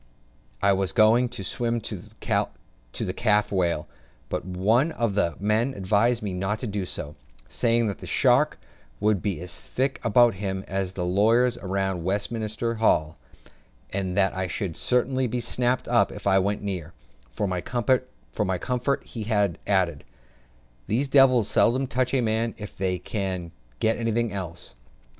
I was going to swim to the calf whale; but one of the men advised me not to do so, saying that the sharks would be as thick about him as the lawyers round Westminster Hall; and that I should certainly be snapped up if I went near: for my comfort he added, "These devils seldom touch a man if they can get anything else."